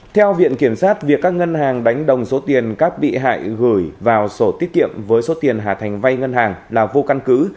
theo viện kiểm sát việc các ngân hàng đánh đồng số tiền các bị hại gửi vào sổ tiết kiệm với số tiền hà thành vay ngân hàng là vô căn cứ